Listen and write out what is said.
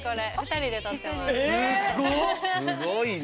すごいな。